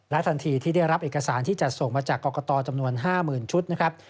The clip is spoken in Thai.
ทันทีที่ได้รับเอกสารที่จัดส่งมาจากกรกตจำนวน๕๐๐๐ชุดนะครับ